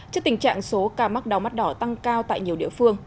trước tình trạng số ca mắc đau mắt đỏ tăng cao tại nhiều địa phương